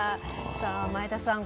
さあ前田さん